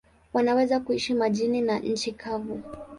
Wanaweza kuishi majini na nchi kavu.